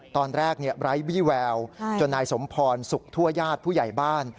ตอนแรกไร้วิแววจนนายสมพรสุขทั่วยาทผู้ใหญ่บ้าน